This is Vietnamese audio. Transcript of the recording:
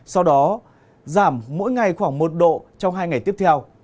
sau đó giảm mỗi ngày khoảng một độ trong hai ngày tiếp theo